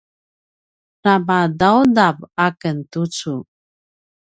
namadaudav aken tucu